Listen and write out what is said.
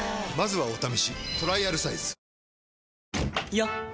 よっ！